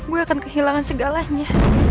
gue akan kehilangan segalanya